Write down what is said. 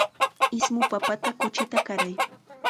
Ismu papata kuchita qaray.